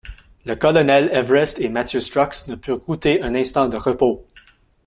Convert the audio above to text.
Le colonel Everest et Mathieu Strux ne purent goûter un instant de repos.